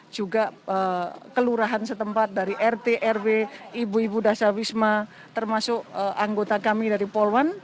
juga kelurahan setempat dari rt rw ibu ibu dasar wisma termasuk anggota kami dari polwan